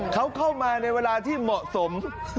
เขาเข้ามาในเวลาที่เหมาะสม